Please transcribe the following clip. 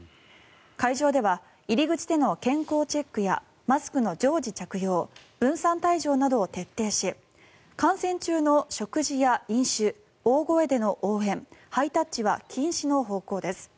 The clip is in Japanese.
会場では入り口での健康チェックやマスクの常時着用分散退場などを徹底し観戦中の食事や飲酒大声での応援、ハイタッチは禁止の方向です。